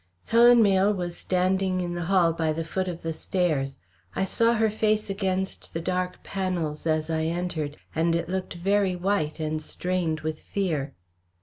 Helen Mayle was standing in the hall by the foot of the stairs. I saw her face against the dark panels as I entered, and it looked very white and strained with fear.